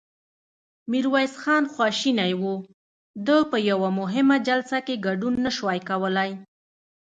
ميرويس خان خواشينی و، ده په يوه مهمه جلسه کې ګډون نه شوای کولای.